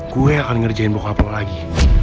gue yang akan ngerjain bokapel lagi